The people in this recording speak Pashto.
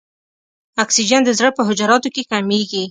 اکسیجن د زړه په حجراتو کې کمیږي.